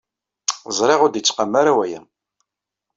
Ẓriɣ ur d-yettqam ara waya.